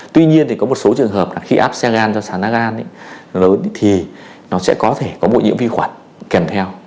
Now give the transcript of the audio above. tuy nhiên thì có một số trường hợp là khi ổ áp xe gan do sáng đắc an lớn thì nó sẽ có thể có bộ nhiễm vi khuẩn kèm theo